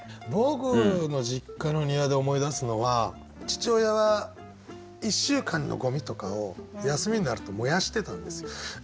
僕の実家の庭で思い出すのは父親は１週間のゴミとかを休みになると燃やしてたんです。